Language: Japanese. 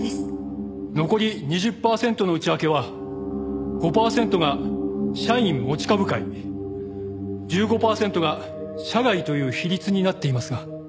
残り２０パーセントの内訳は５パーセントが社員持ち株会１５パーセントが社外という比率になっていますが。